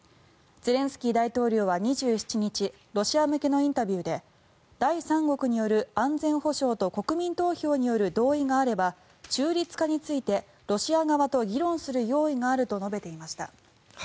ゼレンスキー大統領は２７日ロシア向けのインタビューで第三国による安全保障と国民投票による同意があれば中立化についてロシア側と議論する用意があると述べていました。